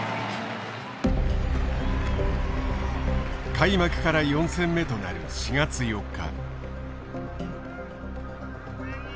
開幕から４戦目となる４月４日。